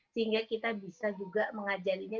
sehingga kita bisa juga mengajarinya